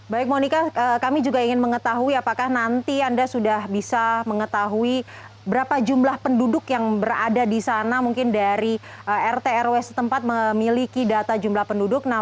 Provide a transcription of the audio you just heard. baik monika kami juga ingin mengetahui apakah nanti anda sudah bisa mengetahui berapa jumlah penduduk yang berada di sana mungkin dari rt rw setempat memiliki data jumlah penduduk